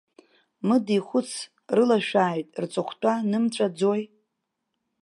Мыд ихәыц рылашәааит, рҵыхәтәа нымҵәаӡои!